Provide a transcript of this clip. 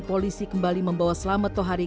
polisi kembali membawa selamat toh hari